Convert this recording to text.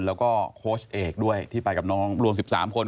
แล้วก็โค้ชเอกด้วยที่ไปกับน้องรวม๑๓คน